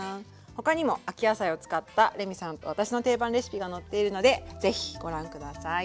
他にも秋野菜を使ったレミさんと私の定番レシピが載っているのでぜひご覧下さい。